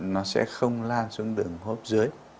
nó sẽ không lan xuống đường hô hấp dưới